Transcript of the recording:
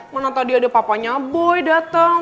mana tadi ada papanya boy dateng